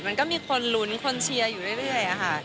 มันก็มีคนลุ้นคนเชียร์อยู่เรื่อยค่ะ